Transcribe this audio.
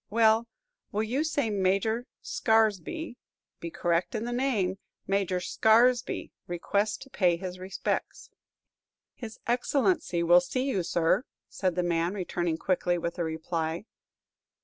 Well, will you say Major Scaresby be correct in the name Major Scaresby requests to pay his respects." "His Excellency will see you, sir," said the man, returning quickly with the reply.